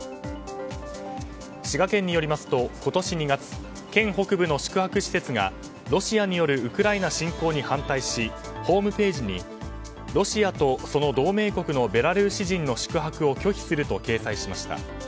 滋賀県によりますと、今年２月県北部の宿泊施設がロシアによるウクライナ侵攻に反対しホームページにロシアとその同盟国のベラルーシ人の宿泊を拒否すると掲載しました。